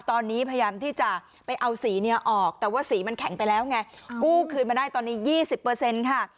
ตอนนี้พยายามที่จะไปเอาสีเนี่ยออกแต่ว่าสีมันแข็งไปแล้วไงกู้คืนมาได้ตอนนี้๒๐ค่ะ